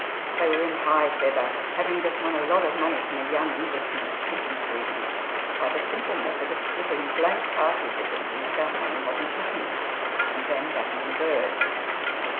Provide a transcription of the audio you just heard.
They were in high feather, having just won a lot of money from a young Englishman at pigeon shooting, by the simple method of slipping blank cartridges into his gun when he wasn't looking, and then backing the bird.